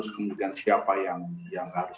kemudian siapa yang harus